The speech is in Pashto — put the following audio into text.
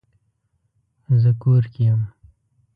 زه کور کې یم